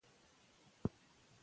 لوستې نجونې د باور فضا ساتي.